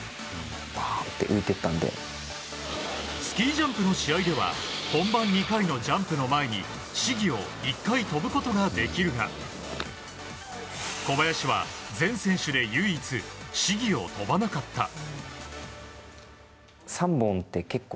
スキージャンプの試合では本番２回のジャンプの前に試技を１回飛ぶことができるが小林は全選手で唯一試技を飛ばなかった。